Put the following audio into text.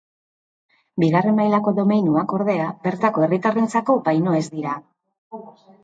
Bigarren mailako domeinuak, ordea, bertako herritarrentzako baino ez dira.